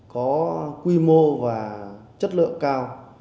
có quy mô và chất lượng cao